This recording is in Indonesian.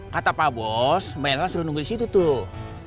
kata pak bos mbak irwan sudah nunggu di situ tuh